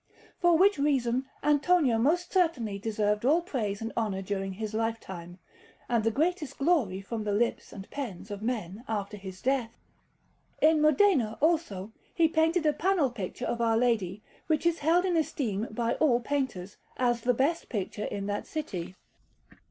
For which reason Antonio most certainly deserved all praise and honour during his lifetime, and the greatest glory from the lips and pens of men after his death. In Modena, also, he painted a panel picture of Our Lady, which is held in esteem by all painters, as the best picture in that city.